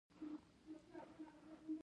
د ترکیې استانبول ښار ته ورسېده.